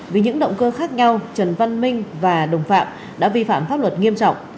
vì những động cơ khác nhau trần văn minh và đồng phạm đã vi phạm pháp luật nghiêm trọng